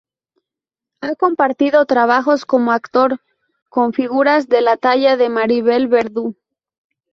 Ha compartido trabajos como actor con figuras de la talla de Maribel Verdú.